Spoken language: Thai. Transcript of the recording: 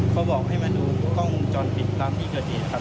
เขาบอกให้มาดูกล้องวงจรปิดตามที่เกิดเหตุครับ